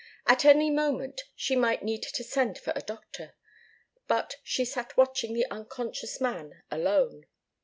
At any moment she might need to send for a doctor. But she sat watching the unconscious man alone.